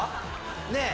ねえ。